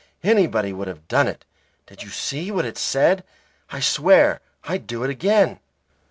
"Anybody would have done it. Did you see what it said? I swear I'd do it again."